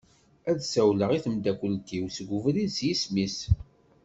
Ad ssawleɣ i temdakelt-iw deg ubrid s yisem-is.